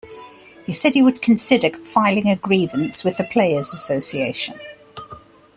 He said he would consider filing a grievance with the players association.